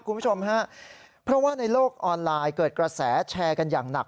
คุณผู้ชมฮะเพราะว่าในโลกออนไลน์เกิดกระแสแชร์กันอย่างหนัก